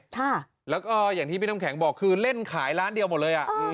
ค่ะแล้วก็อย่างที่พี่น้ำแข็งบอกคือเล่นขายร้านเดียวหมดเลยอ่ะเออ